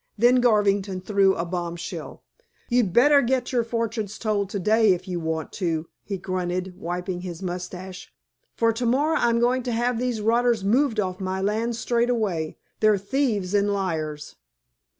Then Garvington threw a bombshell. "You'd better get your fortunes told to day, if you want to," he grunted, wiping his mustache; "for to morrow I'm going to have these rotters moved off my land straight away. They're thieves and liars."